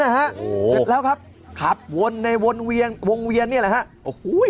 เสร็จแล้วครับขับวนในวงเวียนนี่แหละครับ